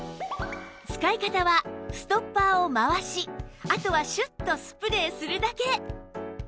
使い方はストッパーを回しあとはシュッとスプレーするだけ！